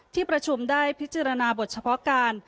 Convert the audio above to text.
ที่ประชุมได้พิจารณาบทเฉพาะการ